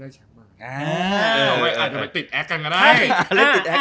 อาจจะไปติดแอคกันก็ได้